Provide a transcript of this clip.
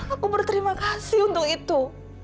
aku berterima kasih untuk itu